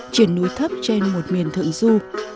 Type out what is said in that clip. chuyển núi thấp trên một miền thượng du